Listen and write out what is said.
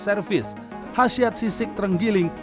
service hasil sisik terenggiling